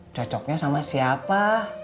cocoknya sama siapa